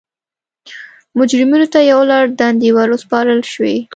مجرمینو ته یو لړ دندې ور وسپارل شوې.